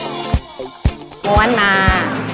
พี่ดาขายดอกบัวมาตั้งแต่อายุ๑๐กว่าขวบ